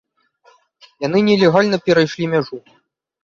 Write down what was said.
Яны нелегальна перайшлі мяжу.